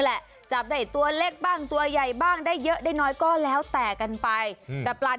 ก็แฮปปี้กลับบ้านไปเพราะว่าจ่ายแค่ร้อยบาท